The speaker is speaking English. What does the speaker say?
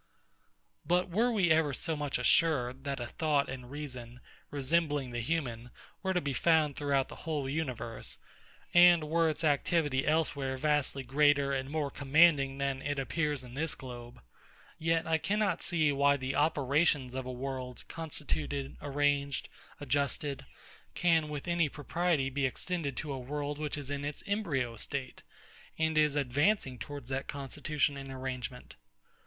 But were we ever so much assured, that a thought and reason, resembling the human, were to be found throughout the whole universe, and were its activity elsewhere vastly greater and more commanding than it appears in this globe; yet I cannot see, why the operations of a world constituted, arranged, adjusted, can with any propriety be extended to a world which is in its embryo state, and is advancing towards that constitution and arrangement.